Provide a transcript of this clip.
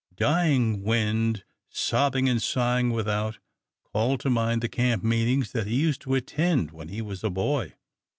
The dying wind, sobbing and sighing without, called to mind the camp meetings that he used to attend when he was a boy.